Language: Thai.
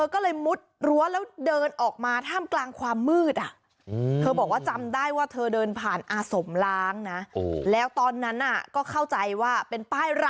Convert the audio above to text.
ก็เข้าใจว่าเป็นป้ายร้านอาหาร